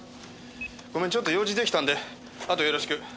ごめんちょっと用事出来たんであとよろしく。